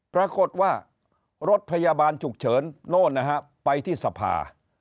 ปรากฏว่ารถพยาบาลฉุกเฉินโน่นนะฮะไปที่สภา